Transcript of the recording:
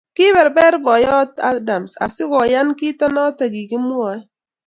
Kiberber boiyot Adams asigoyan kito noto kigimwae.